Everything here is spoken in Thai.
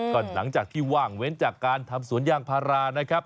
ก็หลังจากที่ว่างเว้นจากการทำสวนยางพารานะครับ